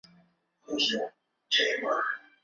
隶辰州府。